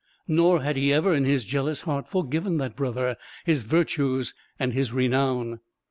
Nor had he ever in his jealous heart forgiven that brother his virtues and his renown.